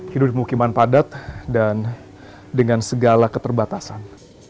hidup di pemukiman padat dan dengan segala keterbatasan